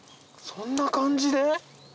そんな感じで？